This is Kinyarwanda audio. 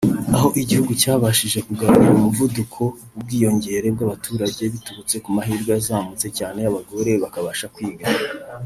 aho igihugu cyabashije kugabanya umuvuduko w’ubwiyongere bw’abaturage biturutse ku mahirwe yazamutse cyane y’abagore bakabasha kwiga